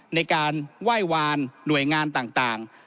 ในการไหว้วานหน่วยงานต่าง